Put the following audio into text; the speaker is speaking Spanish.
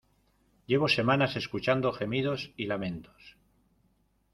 llevo semanas escuchando gemidos y lamentos